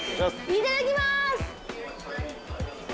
いただきます！